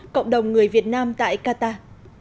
cộng đồng người việt nam tại qatar